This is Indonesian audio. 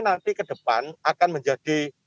nanti ke depan akan menjadi